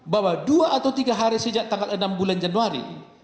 bahwa dua atau tiga hari sejak tanggal enam bulan januari